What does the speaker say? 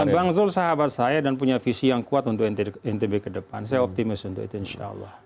bang zul sahabat saya dan punya visi yang kuat untuk ntb ke depan saya optimis untuk itu insya allah